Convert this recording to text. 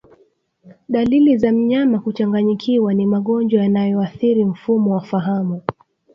Dalili za mnyama kuchanganyikiwa ni magonjwa yanayoathiri mfumo wa fahamu